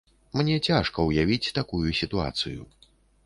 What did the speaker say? Мне цяжка ўявіць такую сітуацыю.